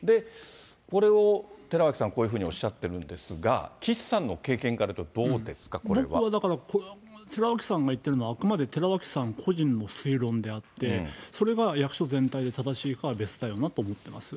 これを寺脇さん、こういうふうにおっしゃってるんですが、岸さんの経験からいうと、だから、これはもう、寺脇さんが言っているのは、あくまで寺脇さん個人の推論であって、それが役所全体で正しいかは別だよなと思っています。